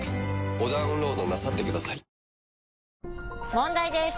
問題です！